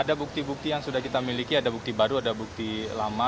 ada bukti bukti yang sudah kita miliki ada bukti baru ada bukti lama